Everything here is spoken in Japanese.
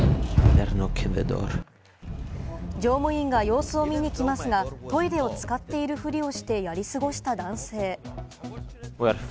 乗務員が様子を見にきますが、トイレを使っているふりをして、やり過ごした男性。